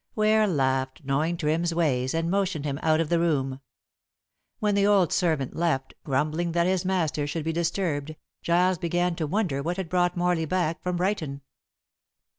Ware laughed, knowing Trim's ways, and motioned him out of the room. When the old servant left, grumbling that his master should be disturbed, Giles began to wonder what had brought Morley back from Brighton.